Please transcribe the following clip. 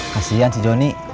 kasian si jonny